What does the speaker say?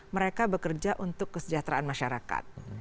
mereka bekerja untuk kesejahteraan masyarakat